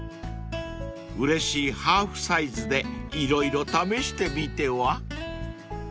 ［うれしいハーフサイズで色々試してみては？］